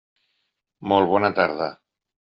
Molt bona tarda.